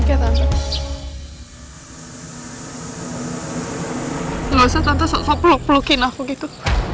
gak usah tante soal peluk pelukin aku gitu